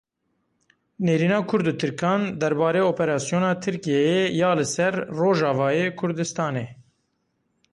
Nêrîna Kurd û Tirkan derbarê operasyona Tirkiyeyê ya li ser Rojavayê Kurdistanê.